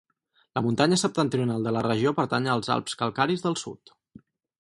La muntanya septentrional de la regió pertany als Alps calcaris del sud.